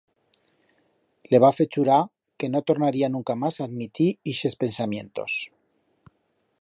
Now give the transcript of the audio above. Le va fer churar que no tornaría nunca mas a admitir ixes pensamientos.